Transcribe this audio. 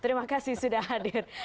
terima kasih sudah hadir